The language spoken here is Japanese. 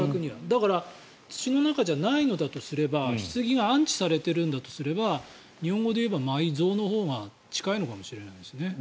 だから土の中じゃないのだとすればひつぎが安置されているんだとすれば日本語で言えば埋蔵のほうが近いのかもしれないですね。